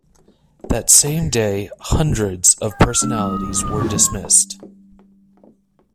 That same day, hundreds of personalities were dismissed.